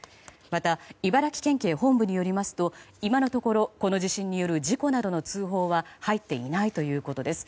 また茨城県警本部によりますと今のところ、この地震による事故などの通報は入っていないということです。